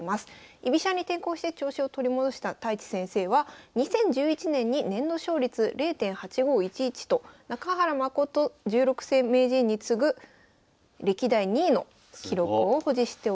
居飛車に転向して調子を取り戻した太地先生は２０１１年に年度勝率０．８５１１と中原誠十六世名人に次ぐ歴代２位の記録を保持しております。